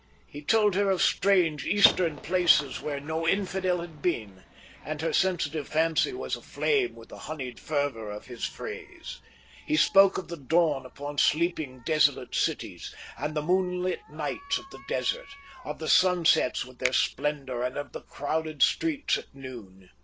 He told her of strange Eastern places where no infidel had been, and her sensitive fancy was aflame with the honeyed fervour of his phrase. He spoke of the dawn upon sleeping desolate cities, and the moonlit nights of the desert, of the sunsets with their splendour, and of the crowded streets at noon.